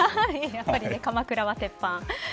やっぱり鎌倉は鉄板。